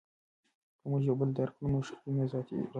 که موږ یو بل درک کړو نو شخړې نه راځي.